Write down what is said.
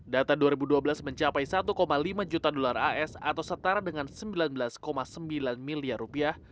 data dua ribu dua belas mencapai satu lima juta dolar as atau setara dengan sembilan belas sembilan miliar rupiah